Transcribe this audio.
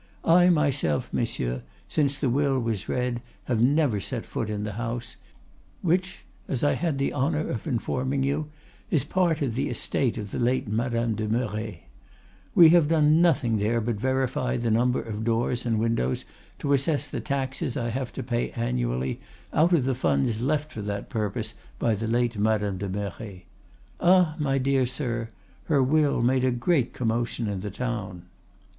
I myself, monsieur, since the will was read, have never set foot in the house, which, as I had the honor of informing you, is part of the estate of the late Madame de Merret. We have done nothing there but verify the number of doors and windows to assess the taxes I have to pay annually out of the funds left for that purpose by the late Madame de Merret. Ah! my dear sir, her will made a great commotion in the town.